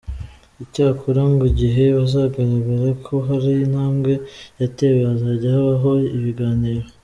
Icyakora ngo igihe bizagaragara ko hari intambwe yatewe hazajya habaho ibiganiro.